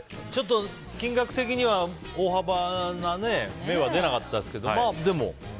金額的には大幅な目は出なかったですけど。